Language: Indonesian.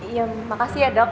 iya makasih ya dok